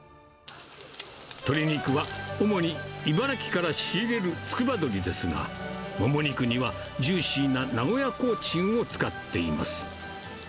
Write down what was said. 鶏肉は主に茨城から仕入れるつくば鶏ですが、もも鶏にはジューシーな名古屋コーチンを使っています。